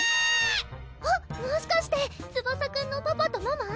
あっもしかしてツバサくんのパパとママ？